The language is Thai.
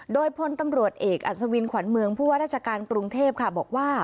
โดยพลตำรวจเอกอัศวินขวัญเมืองผู้ว่าราชการกรุงเทพค่ะบอกว่า